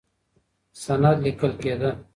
سند لیکل کېده.